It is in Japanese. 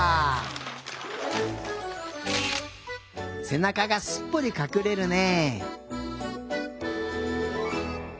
せなかがすっぽりかくれるね。